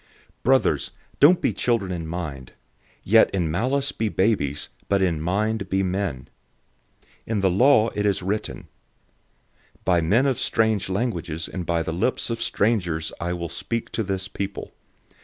014:020 Brothers, don't be children in thoughts, yet in malice be babies, but in thoughts be mature. 014:021 In the law it is written, "By men of strange languages and by the lips of strangers I will speak to this people.